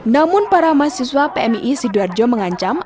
namun para mahasiswa pmii sidoarjo mengancam